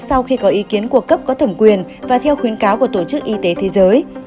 sau khi có ý kiến của cấp có thẩm quyền và theo khuyến cáo của tổ chức y tế thế giới